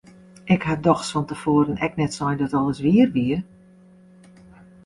Ik ha dochs fan te foaren ek net sein dat alles wier wie!